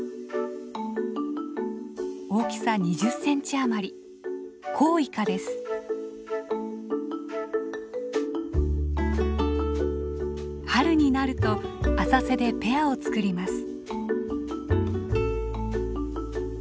大きさ２０センチあまり春になると浅瀬でペアを作ります。